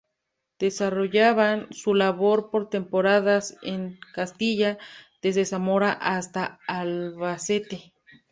Desarrollaban su labor por temporadas en "Castilla", desde Zamora hasta Albacete.